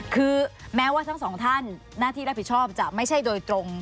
คือแม้ว่าทั้งสองท่านหน้าที่รับผิดชอบจะไม่ใช่โดยตรง